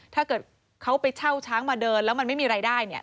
ถ้าเกิดเขาไปเช่าช้างมาเดินแล้วมันไม่มีรายได้